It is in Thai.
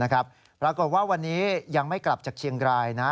ปรากฏว่าวันนี้ยังไม่กลับจากเชียงรายนะ